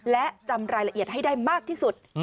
และจำรายละเอียดให้ได้มากที่สุด